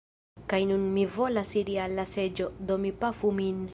Kaj nun mi volas iri al la seĝo, do mi pafu min.